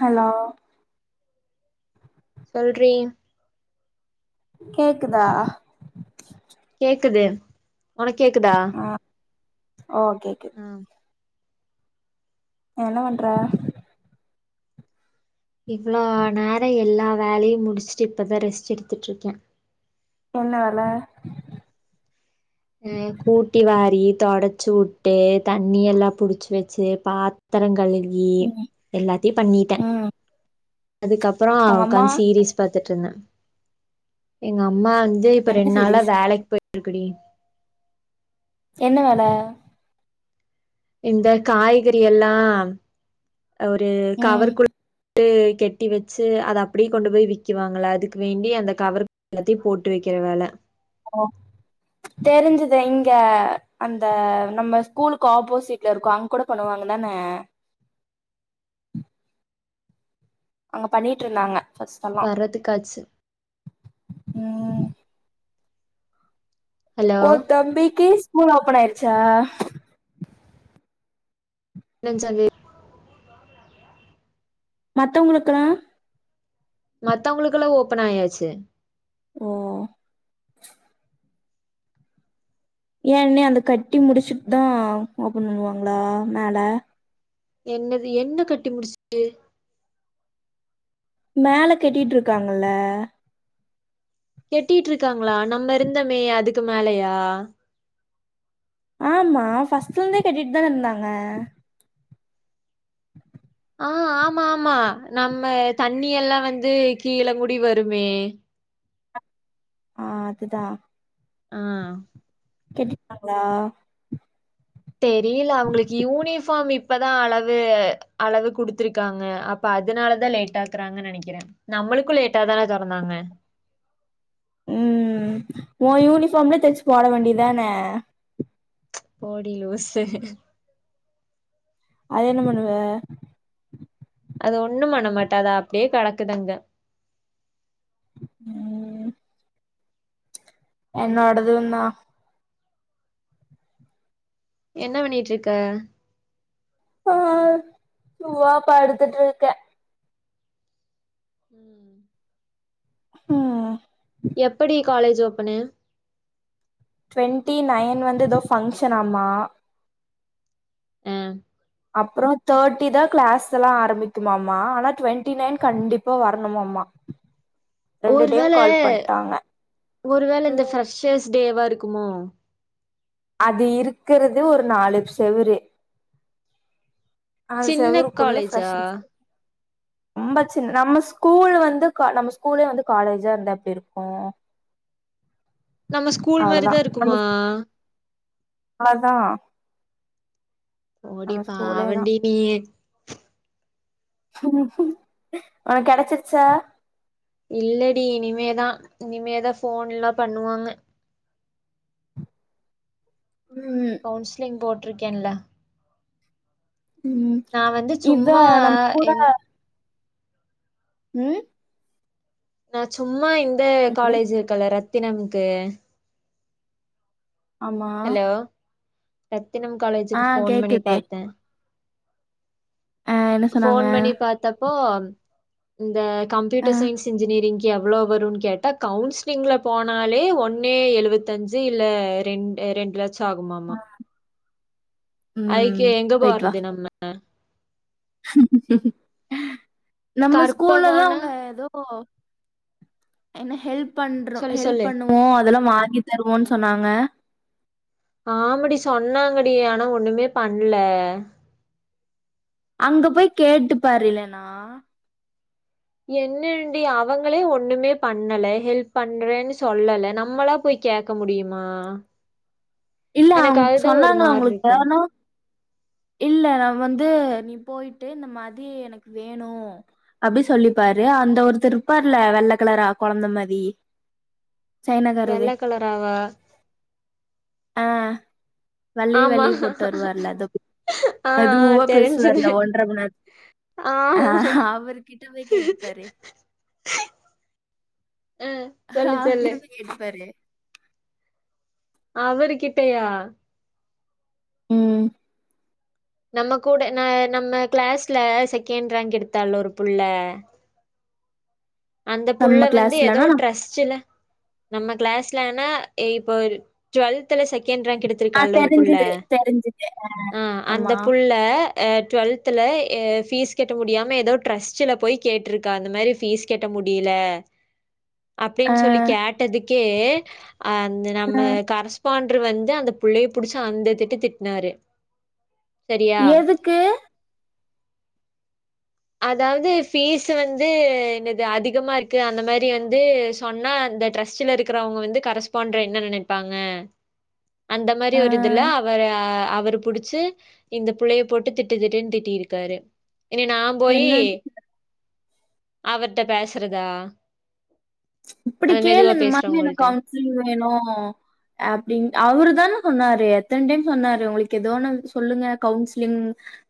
Hello சொல்றீ கேக்குதா உனக் கேக்குதா ஆ ஓ கேக்கு ஆ அ என்ன பண்ற இவ்வளோ நேரோ எல்லா வேலையு முடிச்சுட்டு இப்பதா ரெஸ்ட் எடுத்துட்ருக்க என்ன வேல ஆ கூட்டி வாரி தொடச் ச்சு வுட்டு தண்ணி எல்லா புடிச்சு வச்சு பாத்தர கழு வி ம் எல்லாத்தையு பண்ணிட்டே ம் அதுக்கப்பறோ உங்க அம்மா உக்காந்து சீரீஸ் பாத் துட்ருந்த எங்க அம்மா வந்து இப்ப என்ன ரெண் நாளா சீரீஸ் வேலைக்கு போயிட்டிருக்குடீ என்ன வேல இந்த காய்கறி எல்லா ஒரு ம் கவர்குள் ட்டு கெட்டி வச்சு அத அப்டியே கொண்டு போய் விக்குவாங்கள அதுக்கு வேண்டி அந்த கவர் எல்லாத்தையு போட்டு வைக்கிற வேல ஒ தெருஞ்சுது இங்க அந்த நம்ம ஸ்கூலுக்கு ஆப்போசிட்ல இருக்கு அங் கூட பண்ணுவாங்க அதான அங்க பண்ணிட்ருந்தாங்க வர்றதுக்காச்சு ம் ஹலோ ஓ தம்பிக்கு ஸ்கூல் ஓப்பன் ஆயிருச்சா நெஞ்சாலே மத்தவங்களுக்கலா மத்தவங்களுக்கெல்லா ஓப்பன் ஆயாச்சு ஓ ஏன்னே அத கட்டி முடிச்சுட் தா ஓப்பன் பண்ணுவாங்களா மேல என்னது என்ன கட்டி முடிச்சுட்டு மேல கெட்டிட்டு இருக்காங்கல கெட்டிட்டு இருக்காங்களா நம்ம இருந்தமே அதுக்கு மேலயா ஆமா ஃபர்ஸ்ட்லருந்தே கெட்டிட்டு தான இருந்தாங்க ஆ ஆமா ஆமா நம்ம தண்ணி எல்லா வந்து கீழ கூடி வருமே ஆ அதுதா ஆ கெட்டிட்டாங்களா தெரியல அவங்களுக்கு யூனிஃபார்ம் இப் இப்பதா அளவு அளவு குடுத்திருக்காங்க அப்ப அதனாலதா லேட் ஆக்குறாங்க நெனைக்கிறே நம் அவளுக்கு லேட்டா தா தெறந்தாங்க ம் ஓ யூனிஃபார்ம்லே தச்சு போட வேண்டிதான போடி லூசு அதயென்ன பண்ணுவ அது ஒண்ணு பண்ண மாட்ட அது அப்டியே கொடக்கட்டு அங்க ம் என்னோடதுயிந்தா என்ன பண்ணிட்ருக்க ஆ சுமா படுத்துட்டுருக்கே ம் ம் எப்படி காலேஜ் ஓப்பனு ட்வெண்ட்டி நைன் வந்து ஏதோ ஃபங்க்ஷனாமா ம் அப்றோ தேட்டி தா கிளாஸ் எல்லா ஆரம்பிக்குமாமா ஆனா டுவெண்ட்டி நைன் கண்டிப்பா வரணுமா ம்மா ஒருவேள ஒருவேள இந்த ம் ஃபரெஷஸ் டேவா இருக்குமோ அது இருக்கறது ஒரு நாலு செவுறு அது சின்ன செவருக்குள்ள காலேஜா? ஃபரெஷ்ஸ் ரொம்ப சின்ன நம்ம ஸ்கூல் வந்து கா நம்ம ஸ்கூலே வந்து காலேஜா இருந்த எப்டிருக்கு நம்ம ஸ்கூல் மாரிதா இருக்குமா அதா போடி பாவண்டி நீயி உனக் கெடச்சிருச்சா இல்லடி இனிமேதா இனிமேதா போன்ல்லா பண்ணுவாங்க ம் கவுன்சிலிங் போட்ருக்கன்ல ம் இத சும்மா நம்ம கூட எங் ம் நா சும்மா இந்த என்னது காலேஜ் இருக்கல்ல ரத்தினம் கு ஆமா ரத்தினம் ஆ காலேஜ்க்கு போன் பண்ணி கேக்குதே பாத்த ஆ என்ன சொன்னாங்க ஃபோன் பண்ணி பாத்தப்போ இந்த ஆ கம்யூட்டர் சயிஸ் இன்ஜினியரிங் எவ்ளோ வருனு கேட்டா கவுன்சிலிங்ல போனாலே ஒன்னு எழுவத்தஞ்சு இல்ல ரெண் ரெண்டு லட்சோ ஆகுமாமா அயிக்கி ம் எங்க போயிட்டு வா போறது நம்ம நம்ம ஸ்கூல்ல தா கற்பகம்னா அவுங்க ஏதோ என்ன ஹெல்ப் பண்றோ சொல்லு ஹெல்ப் சொல்லு. பண்ணுவோ அதெல்லா வாங்கி தருவோன் சொ சொன்னாங்க ஆம்மடி சொன்னாங்கடி ஆனா ஒண்ணுமே பண்ல அங்க போய் கேட்டு பாரில்லேன்னா என்னன்டி அவங்களே ஒண்ணுமே பண்ணல ஹெல்ப் பண்றேன்னு சொல்லல நம்மளாப் போய் கேக்க முடியுமா இல்ல எனக்கு அவுங் அதுதான் ஒரு சொன்னாங்களா மாரி உங்களுக்கு இருக்கு. பேனு இல்ல நா வந்து நீ போயிட்டு இந்த மாதிரி எனக்கு வேணு அப்டி சொல்லிப்பாரு ரு அந்த ஒருத்தர் இருப்பாருல்ல வெள்ள கலரா கொழந்த மாரி வெள்ள கலராவா ஆ வெள்ளையு ஆமா. வெள்ளையு போட்டு வருவார்ல தோப் ஆ, ஆ மெதுவா தெரிஞ்சுது. பேசுவார்ல ஒன்ற மண் நேரத் அ அவரு கிட்ட போய் கேட்டுப்பாரு ஆமா. ஆ ஹா சொல்லு அவுரு சொல்லு கிட்ட போய் கேட்டுப்பாரு அவரு கிட்டயா ம் நம்ம கூட ந நம்ம கிளாஸ்ல செகண்ட் ரேங்க் எடுத்தால்ல ஒரு புள்ள [inaudible] அந்த புள்ள நம்ம வந்து ஏதோ கிளாஸ்லனா நம்- ட்ரஸ்டுல நம்ம கிளாஸ்ல ஆனா இப்ப ஒரு டுவல்துல செக கெண்ட் ரேங்க் ஆ எடுத்துருக்கால்ல ஒரு புள்ள தெரிஞ்சது தெரிஞ்சது ஆ அந்த ஆமா புள்ள அ டுவல்த்துல எ ஃபீஸ் கெட்ட முடியாம ஏதோ ட்ரஸ்ட்டுல போய் கேட்ருக்கா இந்த மாரி ஃபீஸ் கெட்ட முடியில ஆ, அப்டின் சொல்லி கேயட்டதுக்கே அ அந்த ஆ, நம்ம கரஸ்பாண்ட் டுரு வந்து அந்த புள்ளைய புடிச்சு அந்த திட்டு திட்னாரு சரியா எதுக்கு அதாவ்து ஃபீஸ் வந்து என்னது அதிகமா இருக்கு அந்த மாரி வந்து சொன்னா அந்த ட்ரஸ்ட்டுல இருக்குறவங்க வந்து கரஸ்பாண்ட்ர என்ன நெனைப்பாங்க [inaudible] அந்த மாரி ஆ, ஒரு இதுல அவர அவ வரு புடிச்சு இந்த புள்ளைய போட்டு திட்டு திட்டுன் திட்டி இருக்காரு என்னய நா போயி என்ன அவர்ட பேசறதா இப்பிடி கேளு இந்த மாரி எனக்கு கவுன்சிலிங் வேணு அப்டின்னு அவரு தான சொன்னாரு எத்தன் டைம் சொன்னாரு உங்களுக்கு ஏதுவான்னாலு சொல்லுங்க கவுன்சிலிங்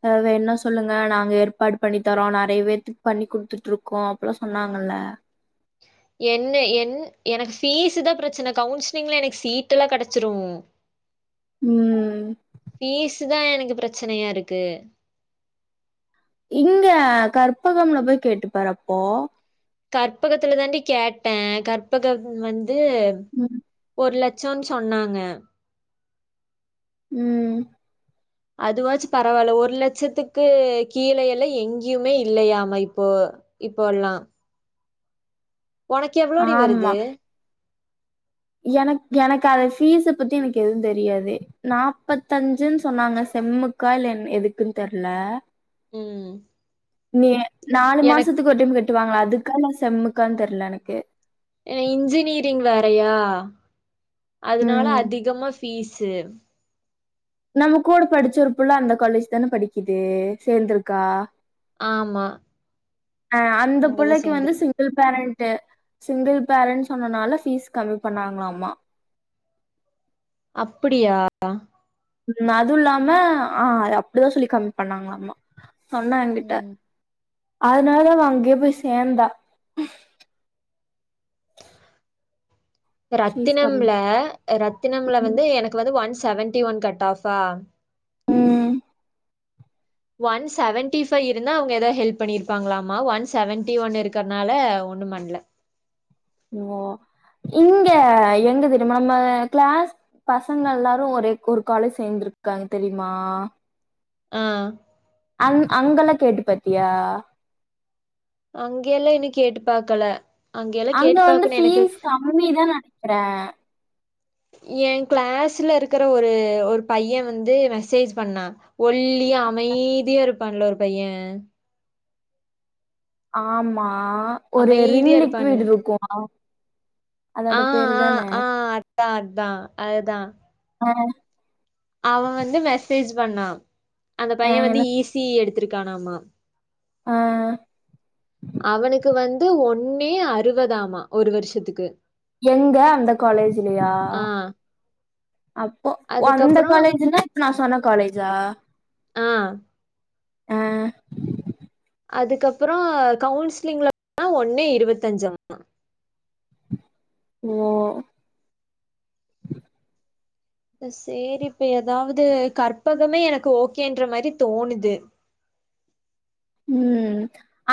ஆ வேன்னா சொல்லுங்க நா நாங்க ஏற்பாடு பண்ணி தரோ நறைய பேத்துக்கு பண்ணி குடுத்துட்ருக்கோ அப்பில்லா சொன்னாங்கல்ல என்ன என் எனக்கு ஃபீஸு தான் பிரச்சன கவுன்சிலிங்லா எனக்கு சீட் எல்லா கெடச்சிரூ ம் இதா எனக்கு பிரச்சனையாருக்கு இங்க கற்பகம்ல போய் கேட்டுப் பாறப்போ கற்பகத்துல தாண்டி கேட்ட கற்பகம் வந்து ம். ஒரு லட் சோன் சொன்னாங்க ம் அதுவாச்சும் பரவால்ல ஒரு லட்சத்துக்கு கீல எல்லா எங்கியுமே இல்லையாமா இப்போ இப்போ ல்லாம் ஒனக்கு எவ்ளோடி வருது எனக் எனக்கத ஃபீஸ பத்தி எனக்கு எதுவும் தெரியாது நாப்பத்தஞ்சுன்னு சொன்னாங்க ச செம்முக்கா இல்ல என் எதுக்குன்னு தெர்ல ம் நீ நாலு எனக் மாசத்துக்கு ஒரு டைம் கட்டுவாங்கள அதுக்கா இல்ல செம்முக்கான்னு தெர்ல எனக்கு ஏ இன்ஜினியரிங் வேறையா அதுனால ம். அதிகமா ஃபீஸ்ஸு நம்ம கூட படுச்ச ஒருபுல்ல அந்த காலேஜ் தான படிக்குது சேந்துருக்கா ஆம்மா அ அந்த புள்ளைக்கு வந்து சிங்கிள் பேரண்ட் த சிங்கிள் பேரண்ட்ஸ் சொன்னனால ஃபீஸ் கம்மி பண்ணாங்ளாமா அப்டியா அ ம் அதுல்லாம ஆ அப்டிதா சொல்லி கம்மி பண்ணாங்ளாமா சொன்ன ஏங்கிட்ட ம் அதுனாலதா அங்கியே போய் சேந்தா ரத்தினம்ல ரத்தினம்ல வந்து எனக்கு வந்து ஒன்ஸ் செவன்டிஒன் கட் ஆஃபா ம் ஒன் செவன்டி பைவ் இருந்தா அவ்ங்க எதாது ஹெல்ப் பண்ணிருப்பாங்ளாமா ஒன் செவன்டிஒன் இருக்கறனால ஒன் ரு மண்ல ஓ இங்க எங்க தெரிம்மா நம்ம கிளாஸ் பசங்க எல்லாரும் ஒரே ஒரு காலேஜ் சேந்துருக்காங்க தெரியுமா ஆ அங் அங்கெல்லா கேட்டு பாத்தியா அங்கெல்லா இன்னு கேட்டு பாக்கல அங்கெல்லாம் அங்க கேட்டு வந்து பாக்கணும் எனக்கு ஃபீஸ் கம்மி தா நெனைக்றே எ கிளாஸ்ல இருக்ற ஒரு ஒரு பைய வந்து மெசேஜ் பண்ணா ஒல்லியா மைதியா இருப்பான்ல ஒரு பைய ஆமா அ ஒரு ரின் அமைதியா இருப்பான்ல லிக்விட் இருக்கு அ ஆ ஆ ஆ அதா அதா அதுதா ஆஹ் அவந்து மெசேஜ் பண்ணா அந்த ஆ பைய வந்து என்ன இ சி இ எடுத்திருக்கானாமா ஆ அவனுகு வந் து ஒன்னே அறுவதாமா ஒரு வருஷத்துக்கு எங்க அந்த காலேஜ்லயா ஆ அப்போ ஒ அந்த அதுக்கப்புறம் காலேஜ்தா இப்ப நா சொன்ன காலேஜா ஆ அ அதுக்கப்றோ கவுன்சிலிங்ல ஒன்னு இருவத்தஞ்சாமா ஓ சேரி இப்ப எதாவது கற்பகமே எனக்கு ஓகேன்ற மாரி தோணுது [inaudible] ம்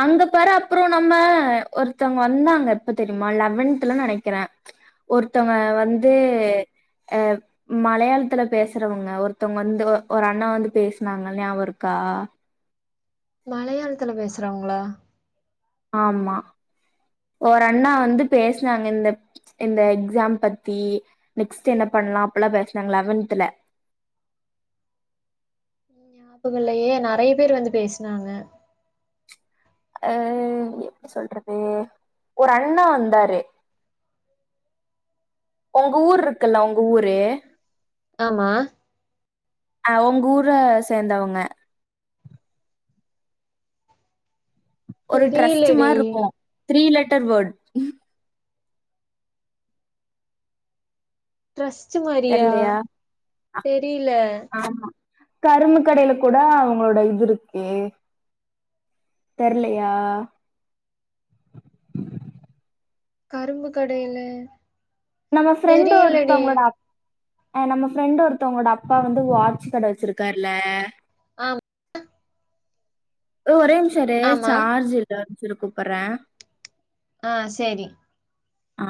அங்க பாரு அப்றோ நம்ம ஒருத்தங்க வந்தாங்க எப்ப தெரிமா லெவன் த்ல நெனக்கிற ச் ஒருத்தங்க ம் வந்து அ மலையாளத்ல பேசுறவங்க ஒருத்தங்க வந்து ஒரு அண்ணா வந்து பேஸ்னாங்க ஞாபருக்கா ஆ மலையாளத்ல பேஸ்றாங்ளா ஆமா ஒரு அண்ணா வந்து பேசுனாங்க இந்தப் இந்த எக்ஸாம் பத்தி நெக்ஸ்ட் என்ன பண் பண்ணலா அப்புல்லா பேசினாங்க லெவன்தல ஞாபகல்லயே நெறய பேர் வந்து பேஸ்னாங்க அ அ எப்டி சொல்றது ஒரு அண்ணே வந்தாரு உங்க ஊர்ருக்குல்ல உங்க ஊரு ஆமா அ உங் ஊர சேந்தவங்க ஒரு ட்ரஸ்ட் தெரியலடி மார்ருக்கு த்ரீ லெட்டர் வேட் ட்ரஸ்ட்டு மாரியா தெர்லையா தெரியல ஆமா கரும்பு கடையில கூட அவுங்களோட இதுருக்கே தெர்லயா கரும்பு கடையில நம்ம ஃப்ரெண்டு தெரியலடி ஒருத்தவுங்களோட அக் அ நம்ம ஃப்ரெண்ட் ஒருத்தவுங்ளோட அப்பா வந்து வாட்ச் கட வச்சுருக்காருல ஆம் ஃப்ரோ ஒரே ஒரு நிமிஷோ இரு ஆமா சார்ஜ் இல்ல செரி கூப்பற்றே ஆ செரி ஆ